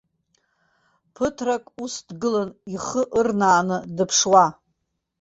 Ԥыҭрак ус дгылан, ихы ырнааны дыԥшуа.